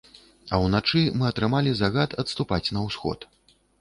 А ўначы мы атрымалі загад адступаць на ўсход.